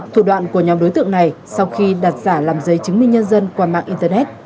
thủ đoạn của nhóm đối tượng này sau khi đặt giả làm giấy chứng minh nhân dân qua mạng internet